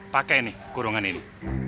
pakai nih kurungan ini